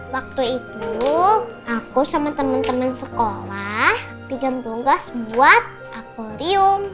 waktu itu aku sama temen temen sekolah digantung gas buat akorium